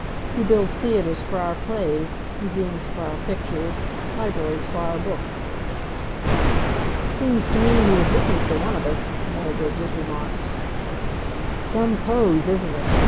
He builds theatres for our plays, museums for our pictures, libraries for our books." "Seems to me he is looking for one of us," Noel Bridges remarked. "Some pose, isn't it!"